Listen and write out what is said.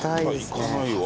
いかないわ。